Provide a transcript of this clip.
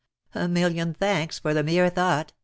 " A million thanks for the mere thought